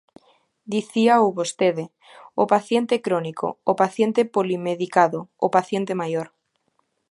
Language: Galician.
Dicíao vostede: o paciente crónico, o paciente polimedicado, o paciente maior.